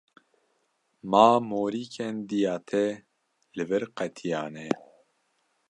Ma morîkên dêya te li vir qetiyane.